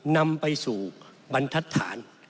นำไปสู่บรรทัศน์